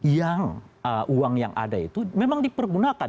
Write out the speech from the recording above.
yang uang yang ada itu memang dipergunakan